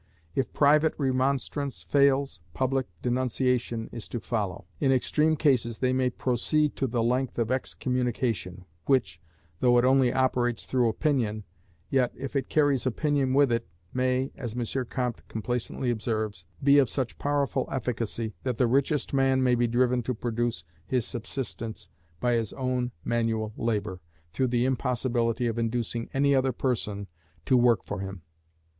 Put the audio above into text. If private remonstrance fails, public denunciation is to follow: in extreme cases they may proceed to the length of excommunication, which, though it only operates through opinion, yet if it carries opinion with it, may, as M. Comte complacently observes, be of such powerful efficacy, that the richest man may be driven to produce his subsistence by his own manual labour, through the impossibility of inducing any other person to work for him.